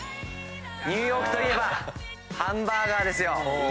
ニューヨークといえばハンバーガーですよ。